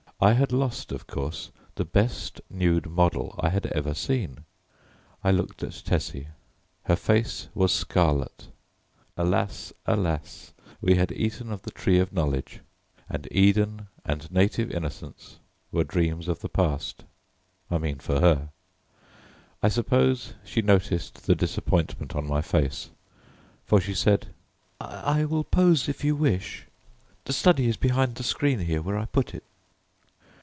I had lost, of course, the best nude model I had ever seen. I looked at Tessie. Her face was scarlet. Alas! Alas! We had eaten of the tree of knowledge, and Eden and native innocence were dreams of the past I mean for her. I suppose she noticed the disappointment on my face, for she said: "I will pose if you wish. The study is behind the screen here where I put it."